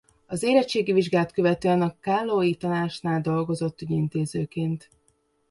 Az érettségi vizsgát követően a kállói tanácsnál dolgozott ügyintézőként.